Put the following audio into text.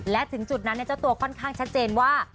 และถึงจุดนั้นเจ้าตัวค่อนข้างชัดเจนว่า